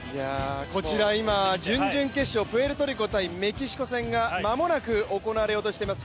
こちら準々決勝、プエルトルコとメキシコ戦が間もなく行われようとしています。